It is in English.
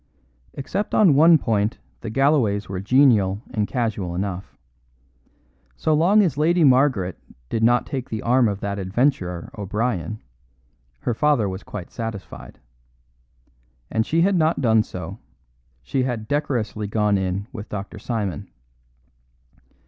Except on one point the Galloways were genial and casual enough. So long as Lady Margaret did not take the arm of that adventurer O'Brien, her father was quite satisfied; and she had not done so, she had decorously gone in with Dr. Simon.